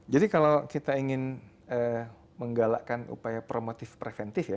jadi kalau kita ingin menggalakkan upaya promotif preventif ya